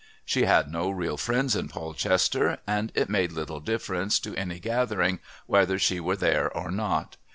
She had no real friends in Polchester, and it made little difference to any gathering whether she were there or not.